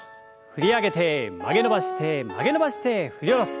振り上げて曲げ伸ばして曲げ伸ばして振り下ろす。